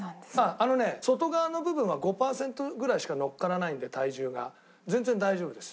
あのね外側の部分は５パーセントぐらいしか乗っからないんで体重が全然大丈夫です。